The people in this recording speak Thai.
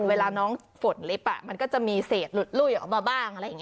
เวลาน้องฝนเล็บมันก็จะมีเศษหลุดลุ้ยออกมาบ้าง